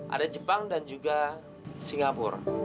ada jepang dan juga singapura